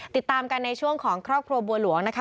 ติดตามกันในช่วงของครอบครัวบัวหลวงนะคะ